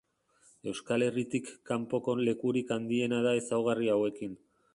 Euskal Herritik kanpoko lekurik handiena da ezaugarri hauekin.